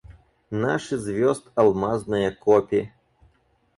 Наши звезд алмазные копи.